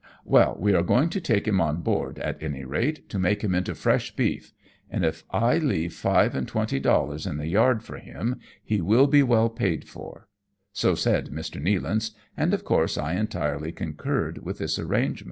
" Well, we are going to take him on board, at any rate, to make him into fresh beef ; and if I leave five and twenty dollars in the yard for him, he will be well paid for ;" so said Mr. Nealance, and of course I entirely concurred with this arrangement.